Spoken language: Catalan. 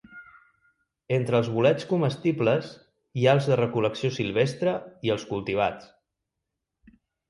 Entre els bolets comestibles hi ha els de recol·lecció silvestre i els cultivats.